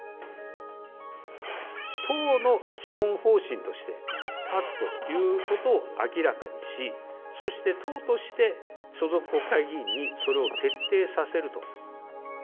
党の基本方針として、断つということを明らかにし、そして党として、所属国会議員にそれを徹底させると。